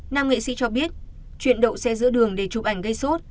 nam nghệ sĩ cho biết chuyện đậu xe giữa đường để chụp ảnh gây sốt